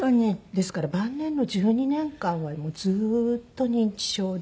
ですから晩年の１２年間はずっと認知症で。